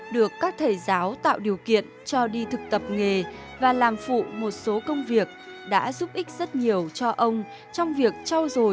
được các thầy giáo tạo điều kiện cho đi thực tập nghề và làm phụ một số công việc đã giúp ích rất nhiều cho ông trong việc trao dồi